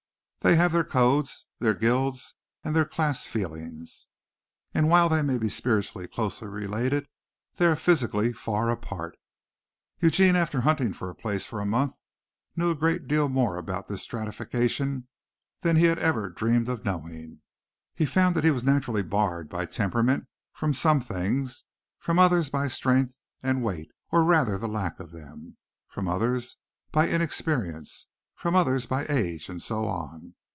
They have their codes, their guilds and their class feelings. And while they may be spiritually closely related, they are physically far apart. Eugene, after hunting for a place for a month, knew a great deal more about this stratification than he had ever dreamed of knowing. He found that he was naturally barred by temperament from some things, from others by strength and weight, or rather the lack of them; from others, by inexperience; from others, by age; and so on.